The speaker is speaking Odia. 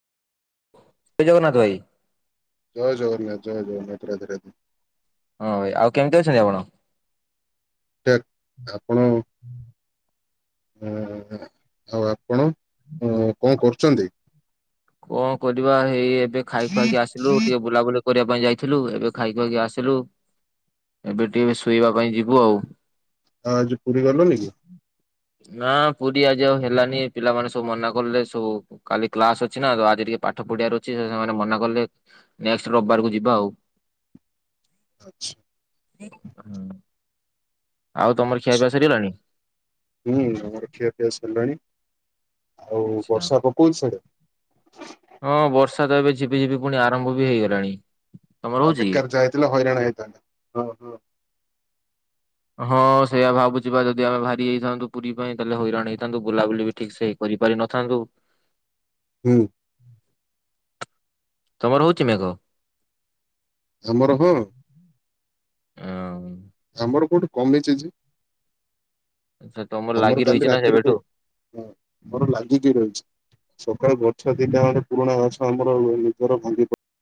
ଜଗନ୍ନାଥ ଭାଇ। ଜୟ ଜଗନ୍ନାଥ ଜୟ ଜଗନ୍ନାଥ ରାଧେ ରାଧେ। ହଁ ଭାଇ ଆଉ କେମିତି ଅଛନ୍ତି ଆପଣ? ସେଠ୍ ଆପଣଙ୍କ ଏଁ ହଁ ଆଉ ଆପଣ ଏଁ କଣ କରୁଛନ୍ତି? କଣ କରିବା ହେଇ ଏବେ ଖାଇ ଖୁଆଇକି ଆସିଲୁ ଟିକେ ବୁଲାବୁଲି କରିବା ପାଇଁ ଯାଇଥିଲୁ ଏବେ ଖାଇକି ଖାଇକି ଆସିଲୁ। ଏବେ ଟିକେ ଶୋଇବା ପାଇଁ ଯିବୁ ଆଉ। ହଁ ଆଜି ପୁରୀ ଗଲନି କି? ନା ପୁରୀ ଆଜି ଆଉ ହେଲାନି ପିଲାମାନେ ସବୁ ମନା କଲେ ସବୁ କାଲି କ୍ଲାସ୍ ଅଛି। ଅଛି ନା ତ ଆଜି ଟିକେ ପାଠ ପଢିବାର ଅଛି ସେମାନେ ମନା କଲେ ନେକ୍ସଟ ରବିବାର କ ଯିବା ଆଉ। ଆଛା ହୁଁ। ଆଉ ତମର ଖିଆପିଆ ସରିଗଲାଣି? ହୁଁ ଆମର ଖିଆପିଆ ସରିଲାଣି ଆଉ ବର୍ଷା ପକଉଛି ସିଆଡେ? ହଁ ବର୍ଷା ତ ଏବେ ଝିପି ଝିପି ପୁଣି ଆରମ୍ଭ ବି ହୋଇଗଲାଣି। ଆଉ ବେକାର ଯାଇଥିଲେ ହଇରାଣ ହୋଇ ଥାନ୍ତ ହଁ ହଁ ହଁ ସେୟା ଭାବୁଛିିବା ଯଦି ଆମେ ଭାରି ଯାଇଥାନ୍ତୁ ପୁରୀ ପାଇଁ ତାହେଲେ ହଇରାଣ ହେଇଥାନ୍ତୁ ବୁଲାବୁଲି ବି ଠିକ ସେ ହେଇ କରିପାରିନଥାନ୍ତୁ। ହୁଁ ତମର ହଉଛି ମେଘ? ଆମର ହଁ। ହଁ ଆମର କୋଉଠି କମିଛି ଯେ? ଆଛା ତମର ଆମର ଲାଗି କାଲି ରହିଛି ନା ରାତିରେ ସେବେଠୁ। କୋଉଠି ହଁ ମୋର ଲାଗି କିି ରହୁଛି ସକାଳୁ ଗଛ ଦିଟା ଖଣ୍ଡେ ପୁରୁଣା ଗଛ ଆମର ନିଜର ଭାଙ୍ଗି ପଡି -